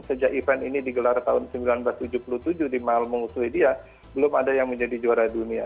sejak event ini digelar tahun seribu sembilan ratus tujuh puluh tujuh di malmung sweden belum ada yang menjadi juara dunia